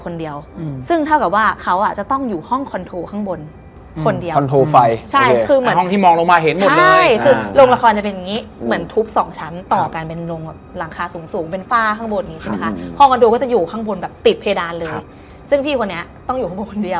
ระหว่างที่คุยกันเนี่ยก็อย่างเงี้ยค่อย